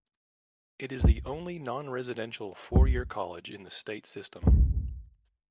It is the only non-residential four-year college in the state system.